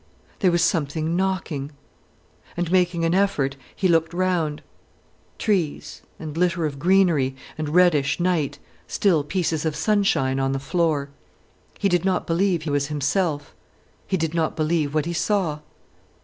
There was something knocking. And, making an effort, he looked round—trees, and litter of greenery, and reddish, night, still pieces of sunshine on the floor. He did not believe he was himself, he did not believe what he saw.